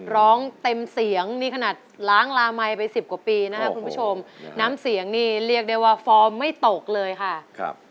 ร้องเต็มเสียงนี่ขนาดล้างลามัยไปสิบกว่าปีนะครับคุณผู้ชมน้ำเสียงนี่เรียกได้ว่าฟอร์มไม่ตกเลยค่ะครับ